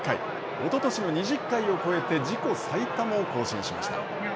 おととしの２０回を超えて自己最多も更新しました。